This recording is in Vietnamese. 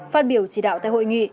phát biểu chỉ đạo tại hội nghị